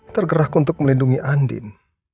tergerak untuk melindungi andin